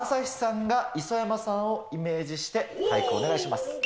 朝日さんが磯山さんをイメージして俳句、お願いします。